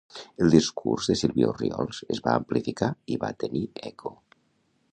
El discurs de Sílvia Orriols es va amplificar i va tenir eco.